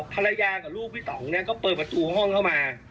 ภรรยากับลูกพี่ต่องเนี่ยก็เปิดประตูห้องเข้ามา